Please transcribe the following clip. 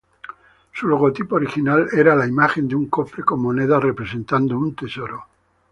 Su logotipo original era la imagen de un cofre con monedas, representando un tesoro.